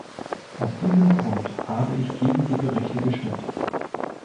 Aus diesem Grund habe ich gegen die Berichte gestimmt.